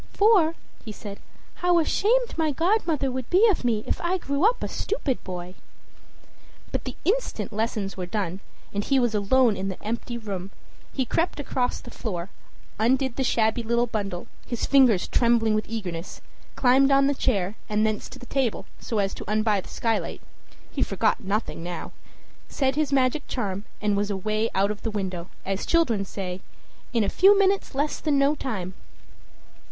"For," he said, "how ashamed my godmother would be of me if I grew up a stupid boy!" But the instant lessons were done, and he was alone in the empty room, he crept across the floor, undid the shabby little bundle, his fingers trembling with eagerness, climbed on the chair, and thence to the table, so as to unbar the skylight, he forgot nothing now, said his magic charm, and was away out of the window, as children say, "in a few minutes less than no time."